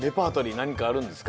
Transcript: なにかあるんですか？